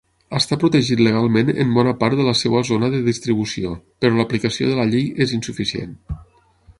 Està protegit legalment en bona part de la seva zona de distribució, però l'aplicació de la llei és insuficient.